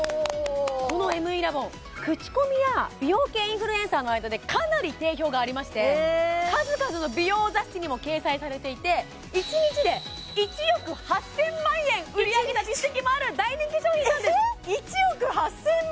このＭＥラボン口コミや美容系インフルエンサーの間でかなり定評がありまして数々の美容雑誌にも掲載されていて１日で１億８０００万円売り上げた実績もある大人気商品なんですえっ１億８０００万？